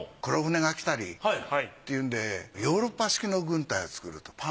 黒船が来たりっていうんでヨーロッパ式の軍隊を作ると。